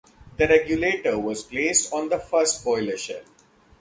The regulator was placed on the first boiler shell.